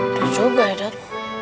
udah juga ya dud